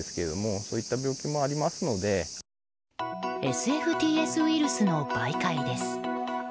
ＳＦＴＳウイルスの媒介です。